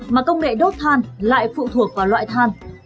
mà công nghệ đốt than lại phụ thuộc vào loại than